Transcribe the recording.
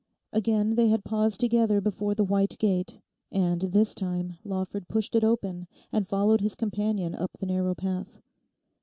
Again they had paused together before the white gate, and this time Lawford pushed it open, and followed his companion up the narrow path.